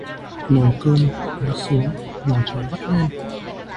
Nồi cơm duống xuống, nồi chè bắt lên